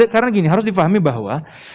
karena gini harus difahami bahwa